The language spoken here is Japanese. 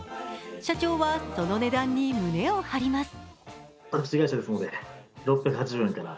社長は、その値段に胸を張ります。